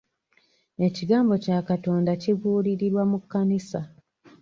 Ekigambo kya katonda kibuulirirwa mu kkanisa.